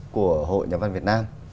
của hội nhà văn việt nam